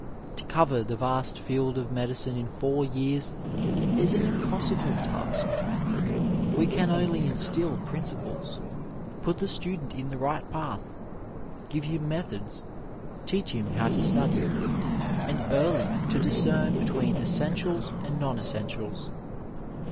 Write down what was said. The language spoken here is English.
To cover the vast field of medicine in four years is an impos sible task. We can only instil principles, put the student in the right path, give him methods, teach him how to study, and early to discern between essentiab and non essentials.